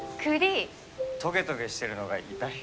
トゲトゲしてるのが痛い。